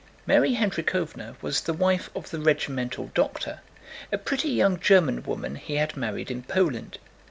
Mary Hendríkhovna was the wife of the regimental doctor, a pretty young German woman he had married in Poland.